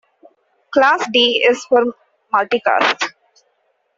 Class D is for multicast.